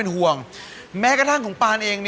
เรายังไม่ชอบอย่างนั้นโอเค